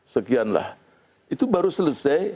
sekian lah itu baru selesai